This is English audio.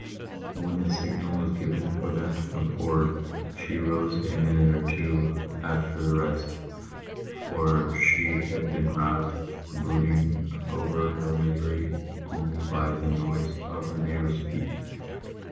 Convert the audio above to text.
"When the signal was given for them to come forward, she rose a minute or two after the rest, for she had been roused from brooding over her misery only by the noise of her neighbours' feet.